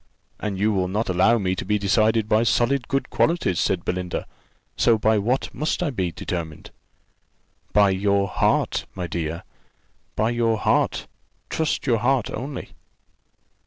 "And you will not allow me to be decided by solid good qualities," said Belinda. "So by what must I be determined?" "By your heart, my dear; by your heart: trust your heart only."